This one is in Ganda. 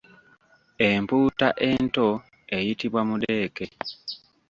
Empuuta ento eyitibwa Mudeeke.